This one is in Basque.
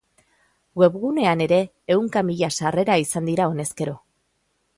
Webgunean ere ehunka mila sarrera izan dira honezkero.